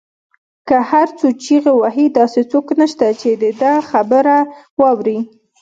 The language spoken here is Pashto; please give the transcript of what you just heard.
که هر څو چیغې وهي داسې څوک نشته، چې د ده خبره واوري